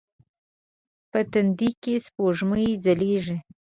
په تندې کې یې سپوږمۍ ځلیږې